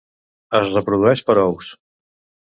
Es reprodueix per ous.